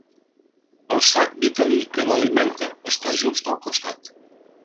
El sac vitel·lí que l'alimenta està just al costat.